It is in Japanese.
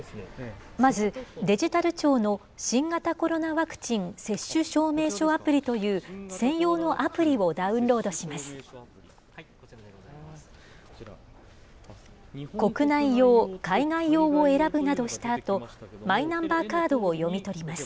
まずデジタル庁の新型コロナワクチン接種証明書アプリという、専用のアプリをダウンロードします。